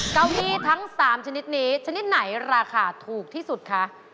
เก้าอี้ทั้ง๓ชนิดนี้ชนิดไหนราคาถูกที่สุดคะ